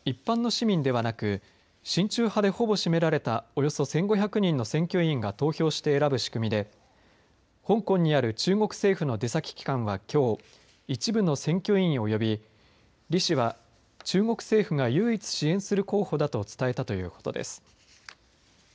行政長官選挙は一般の市民ではなく親中派でほぼ占められたおよそ１５００人の選挙委員が投票して選ぶ仕組みで香港による中国政府の出先機関は、きょう一部の選挙委員を呼び李氏は中国政府が唯一支援する候補だと伝えたということです。